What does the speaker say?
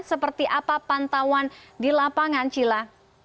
seperti apa pantauan di lapangan cila